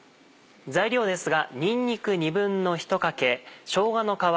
材料ですが。